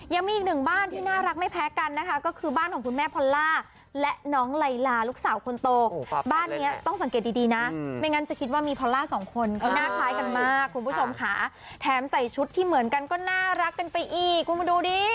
ยังมีอีกหนึ่งบ้านที่น่ารักไม่แพ้กันนะคะก็คือบ้านของคุณแม่พอลล่าและน้องไลลาลูกสาวคนโตบ้านนี้ต้องสังเกตดีนะไม่งั้นจะคิดว่ามีพอลล่าสองคนเขาหน้าคล้ายกันมากคุณผู้ชมค่ะแถมใส่ชุดที่เหมือนกันก็น่ารักกันไปอีกคุณมาดูดิ